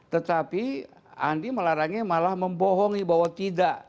tetapi andi melarangnya malah membohongi bahwa tidak